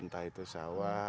entah itu sawah